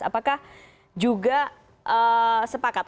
apakah juga sepakat